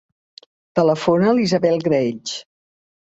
Telefona a l'Isabel Graells.